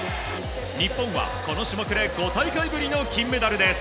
日本はこの種目で５大会ぶりの金メダルです。